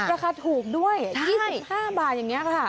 ราคาถูกด้วย๒๕บาทอย่างนี้ค่ะ